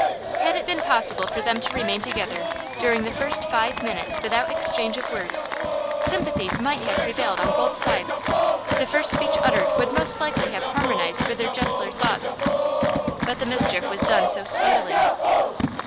Had it been possible for them to remain together during the first five minutes without exchange of words, sympathies might have prevailed on both sides; the first speech uttered would most likely have harmonised with their gentler thoughts. But the mischief was done so speedily.